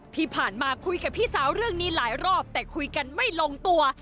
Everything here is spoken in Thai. ที่ผ่านมาคุยกับพี่สาวเรื่องนี้หลายรอบแต่คุยกันไม่ลงตัว